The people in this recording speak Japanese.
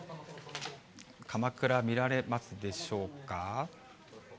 鎌倉見られますでしょうか。